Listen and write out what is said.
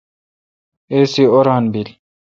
اے سی اوران بیل۔